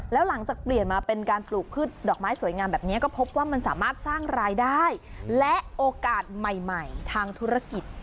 แล้วหลังจากเปลี่ยนมาเป็นการปลูกพืชดอกไม้สวยงามแบบนี้ก็พบว่ามันสามารถสร้างรายได้และโอกาสใหม่ทางธุรกิจ